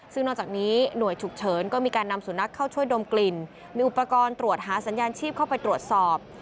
ซึ่งนอกจากนี้หน่วยฉุกเฉินก็มีการนำสุนัขเข้าช่วยดมกลิ่นมีอุปกรณ์ตรวจหาสัญญาณชีพเข้าไปตรวจสอบ